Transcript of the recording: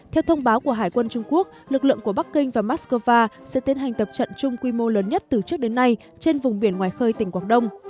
theo thông báo của hải quân trung quốc lực lượng của bắc kinh và moscow sẽ tiến hành tập trận chung quy mô lớn nhất từ trước đến nay trên vùng biển ngoài khơi tỉnh quảng đông